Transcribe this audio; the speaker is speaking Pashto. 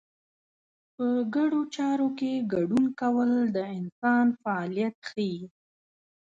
په ګډو چارو کې ګډون کول د انسان فعالیت ښيي.